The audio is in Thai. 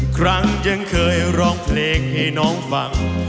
ครั้งยังเคยร้องเพลงให้น้องฟัง